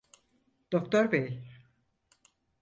Doktor bey!